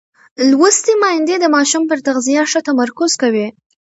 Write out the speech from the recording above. لوستې میندې د ماشوم پر تغذیه ښه تمرکز کوي.